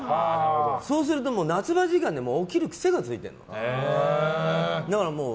そうすると夏場の時間に起きる癖がついてるの。